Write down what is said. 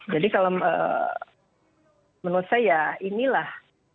jadi kalau menurut saya inilah